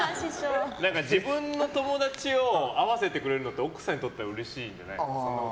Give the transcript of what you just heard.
自分の友達を会わせてくれるのって奥さんにとってはうれしいんじゃないの？